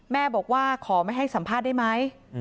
แม่บอกว่าขอไม่ให้สัมภาษณ์ได้ไหม